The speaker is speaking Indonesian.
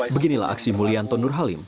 beginilah aksi mulia anton nurhalim